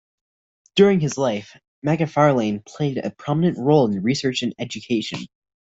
During his life, Macfarlane played a prominent role in research and education.